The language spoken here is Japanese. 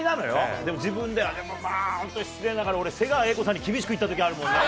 でも自分では、まあ、失礼ながら、瀬川瑛子さんに、俺、厳しく言ったときあるもんね。